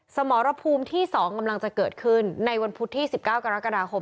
สมรภูมิที่๒กำลังจะเกิดขึ้นในวันพุธที่๑๙กรกฎาคม